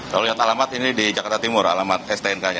kalau lihat alamat ini di jakarta timur alamat stnk nya